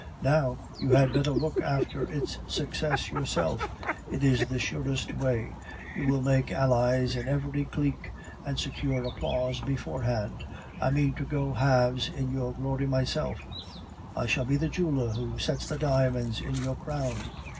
Now, you had better look after its success yourself; it is the surest way. You will make allies in every clique, and secure applause beforehand. I mean to go halves in your glory myself; I shall be the jeweler who set the diamonds in your crown.